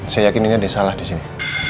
saya yakin ini ada salah di sini